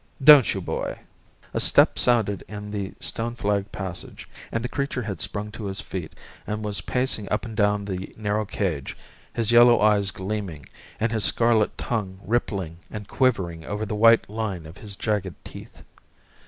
Don't you, boy?" A step sounded in the stone flagged passage, and the creature had sprung to his feet, and was pacing up and down the narrow cage, his yellow eyes gleaming, and his scarlet tongue rippling and quivering over the white line of his jagged teeth.